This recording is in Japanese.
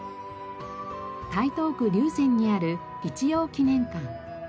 台東区竜泉にある一葉記念館。